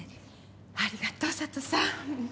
ありがとう佐都さん。